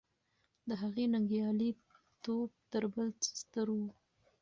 د هغې ننګیالی توب تر بل څه ستر و.